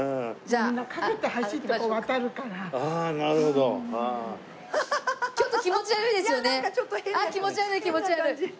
あっ気持ち悪い気持ち悪い。